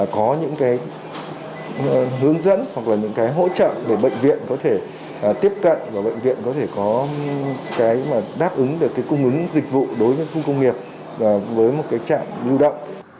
có những hướng dẫn hoặc là những cái hỗ trợ để bệnh viện có thể tiếp cận và bệnh viện có thể có cái đáp ứng được cung ứng dịch vụ đối với khu công nghiệp với một trạm lưu động